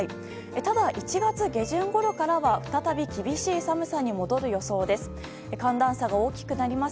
ただ、１月下旬ごろからは再び、厳しい寒さに戻る予想です。